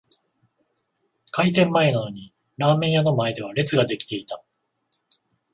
開店前なのにラーメン屋の前では列が出来ていた